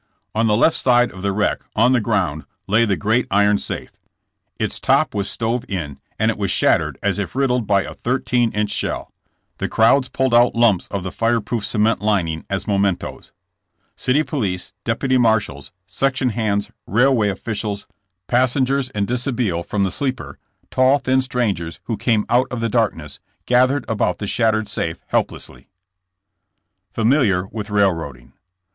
On the left side of the wreck, on the ground, lay the great iron safe. Its top was stove in and it was shattered as if riddled by a thir teen inch shell. The crowds pulled out lumps of the fire proof cement lining as mementoes. City police, deputy marshals, sections hands, railway officials, passengers in dishabille from the sleeper, tall, thin strangers who came out of the darkness, gathered about the shattered safe helplessly. FAMILIAR WITH RAILROADING.